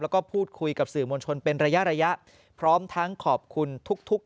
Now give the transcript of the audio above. แล้วก็พูดคุยกับสื่อมวลชนเป็นระยะระยะพร้อมทั้งขอบคุณทุกทุก